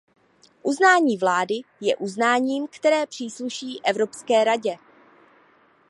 Uznání vlády je uznáním, které přísluší Evropské radě.